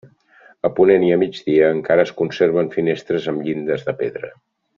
A ponent i a migdia encara es conserven finestres amb llindes de pedra.